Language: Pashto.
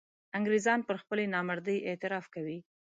انګرېزان پر خپلې نامردۍ اعتراف کوي.